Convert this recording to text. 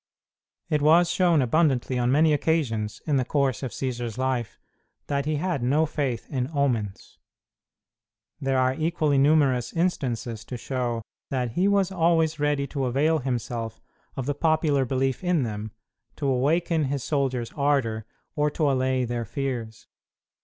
It was shown abundantly, on many occasions in the course of Cćsar's life, that he had no faith in omens. There are equally numerous instances to show that he was always ready to avail himself of the popular belief in them, to awaken his soldiers' ardor or to allay their fears.